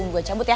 gua cabut ya